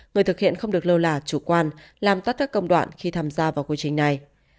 người thực hiện không được lơ là chủ quan làm tắt các công đoạn khi tham gia vào quy trình này